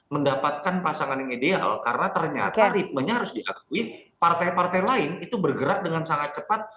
mendapatkan pasangan yang ideal karena ternyata ritmenya harus diakui partai partai lain itu bergerak dengan sangat cepat